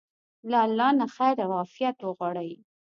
له الله نه خير او عافيت وغواړئ.